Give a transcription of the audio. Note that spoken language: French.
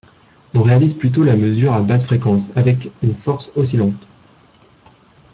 On réalise plutôt la mesure à basses fréquences, avec une force oscillante.